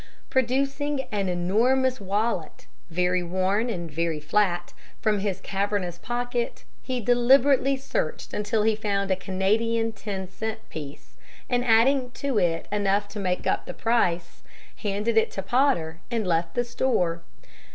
Producing an enormous wallet very worn and very flat from his cavernous pocket, he deliberately searched until he found a Canadian ten cent piece, and adding to it enough to make up the price, handed it to Potter, and left the store.